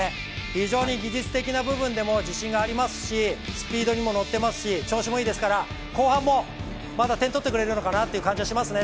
非常に技術的な部分でも自信がありますしスピードにものってますし調子もいいですから後半も、まだ点を取ってくるのかなと思いますね。